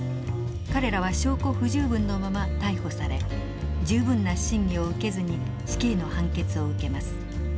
彼らは証拠不十分のまま逮捕され十分な審議を受けずに死刑の判決を受けます。